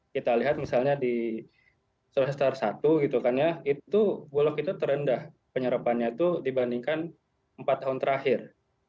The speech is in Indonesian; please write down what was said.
kita lihat misalnya di salah satu gitu kan ya itu bulog itu terendah penyerapannya itu dibandingkan empat tahun terakhir